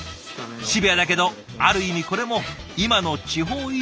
シビアだけどある意味これも今の地方移住のリアル。